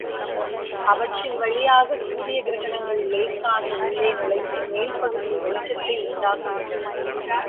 அவற்றின் வழியாகச் சூரிய கிரணங்கள் இலேசாக உள்ளே நுழைந்து, மேல்பகுதியில் வெளிச்சத்தை உண்டாக்கின.